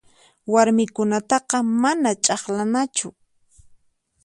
Warmikunataqa mana ch'aqlanachu.